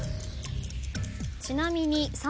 ちなみに。